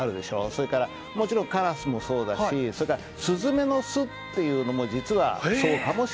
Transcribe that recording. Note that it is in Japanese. それからもちろんカラスもそうだしそれからスズメのスっていうのも実はそうかもしれない。